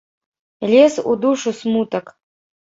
Лез у душу смутак.